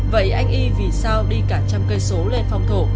vậy anh y vì sao đi cả trăm cây số lên phòng thổ